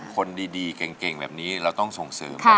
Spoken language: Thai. คนดีเก่งเหลือต้องการส่งเสริม